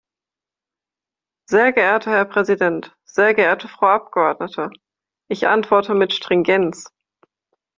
Sehr geehrter Herr Präsident, sehr geehrte Frau Abgeordnete! Ich antworte mit Stringenz!